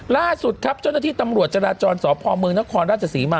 ล่าสุดครับเจ้าหน้าที่ตำรวจจราจรสพมนรศมา